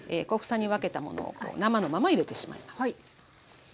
小房に分けたものを生のまま入れてしまいます。